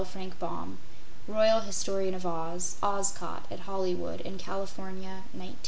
FRANK BAUM, "Royal Historian of Oz." "OZCOT" at HOLLYWOOD in CALIFORNIA 1919 1.